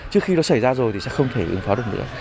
trước khi nó xảy ra rồi thì sẽ không thể ứng phó được nữa